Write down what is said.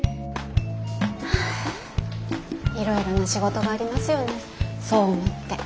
いろいろな仕事がありますよね総務って。